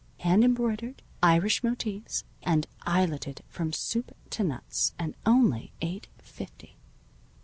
Hand embroidered, Irish motifs, and eyeleted from soup to nuts, and only eight fifty."